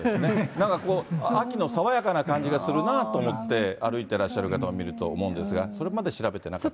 なんか秋の爽やかな感じがするなと思って、歩いてらっしゃる方を見ると思うんですが、それまで調べてなかっ